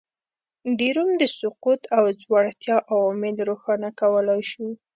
د روم د سقوط او ځوړتیا عوامل روښانه کولای شو